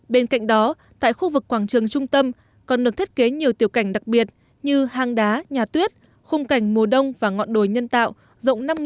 bên cạnh đó tại khu vực quảng trường trung tâm còn được thiết kế nhiều tiểu cảnh đặc biệt như hang đá nhà tuyết khung cảnh mùa đông và ngọn đồi nhân tạo rộng năm m hai với hàng trăm chức trông trống đầy màu sắc